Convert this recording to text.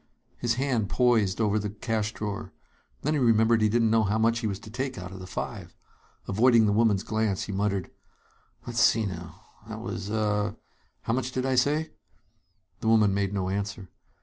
His hand poised over the cash drawer. Then he remembered he didn't know how much he was to take out of the five. Avoiding the woman's glance, he muttered: "Let's see, now, that was uh how much did I say?" The woman made no answer.